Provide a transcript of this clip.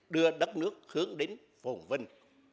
đưa đất nước hướng đến phồn vinh